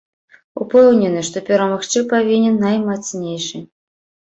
Упэўнены, што перамагчы павінен наймацнейшы.